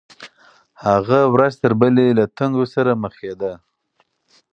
هغه ورځ تر بلې له تنګو سره مخ کېده.